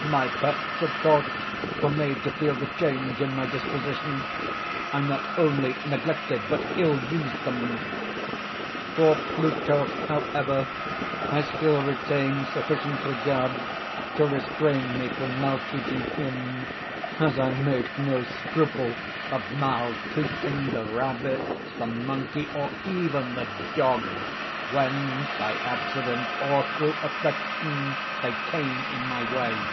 My pets, of course, were made to feel the change in my disposition. I not only neglected, but ill used them. For Pluto, however, I still retained sufficient regard to restrain me from maltreating him, as I made no scruple of maltreating the rabbits, the monkey, or even the dog, when by accident, or through affection, they came in my way.